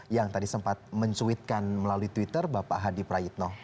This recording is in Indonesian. yang tadi sempat mencuitkan melalui twitter bapak hadi prayitno